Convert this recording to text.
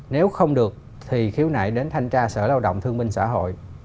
nếu không được thì khiếu nại đến thanh tra sở lao động thương minh xã hội